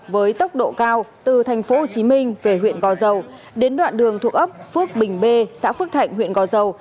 với tốc độ cao từ thành phố hồ chí minh về huyện gò dầu đến đoạn đường thuộc ấp phước bình b xã phước thạnh huyện gò dầu